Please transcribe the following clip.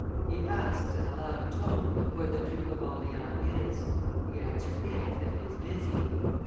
He asks, in a loud tone, where the Duke of Orleans is; the answer is that he is busy.